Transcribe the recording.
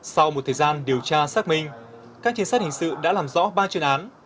sau một thời gian điều tra xác minh các trinh sát hình sự đã làm rõ ba chuyên án